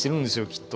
きっと。